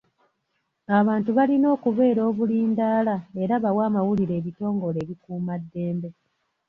Abantu balina okubeera obulindaala era bawe amawulire ebitongole ebikuumaddembe.